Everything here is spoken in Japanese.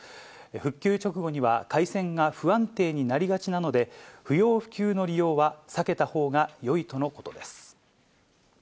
復旧直後には、回線が不安定になりがちなので、不要不急の利用は避けたほうがよいとのことです。